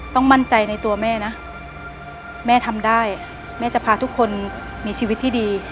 ต้องมั่นใจในตัวแม่นะแม่ทำได้แม่จะพาทุกคนมีชีวิตที่ดี